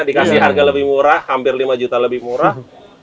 dikasih harga lebih murah hampir lima juta lebih murah